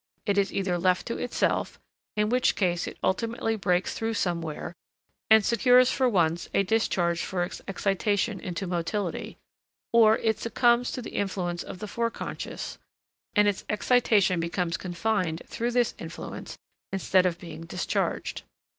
It is either left to itself, in which case it ultimately breaks through somewhere and secures for once a discharge for its excitation into motility; or it succumbs to the influence of the foreconscious, and its excitation becomes confined through this influence instead of being discharged.